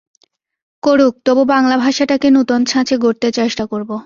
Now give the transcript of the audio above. করুক, তবু বাঙলা ভাষাটাকে নূতন ছাঁচে গড়তে চেষ্টা করব।